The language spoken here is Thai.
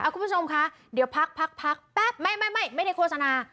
คุณผู้ชมคะเดี๋ยวพักแป๊บไม่ได้โฆษณา